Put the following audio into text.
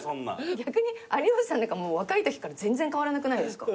逆に有吉さんなんか若いときから全然変わらなくないですか？